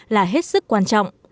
là hết sức quan trọng